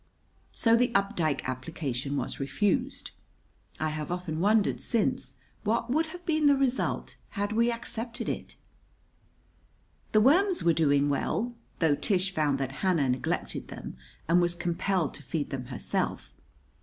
So the Updike application was refused. I have often wondered since what would have been the result had we accepted it! The worms were doing well, though Tish found that Hannah neglected them, and was compelled to feed them herself.